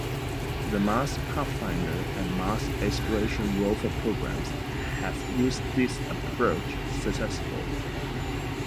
The Mars Pathfinder and Mars Exploration Rover programs have used this approach successfully.